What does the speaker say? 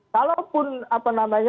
kalaupun apa namanya